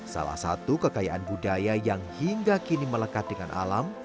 salah satu kekayaan budaya yang hingga kini melekat dengan alam